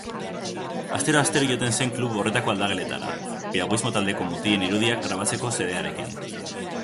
Astero-astero joaten zen klub horretako aldageletara, piraguismo taldeko mutilen irudiak grabatzeko xedearekin.